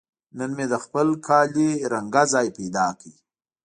نن مې د خپل کالي رنګه ځای پاک کړ.